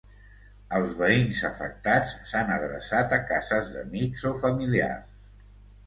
Els veïns afectats s’han adreçat a cases d’amics o familiars.